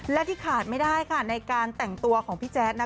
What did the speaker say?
และที่ขาดไม่ได้ค่ะในการแต่งตัวของพี่แจ๊ด